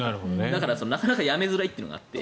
だから、なかなかやめづらいというのがあって。